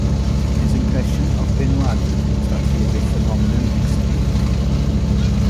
His impression of bin Laden was that he is "a phenomenon, extreme".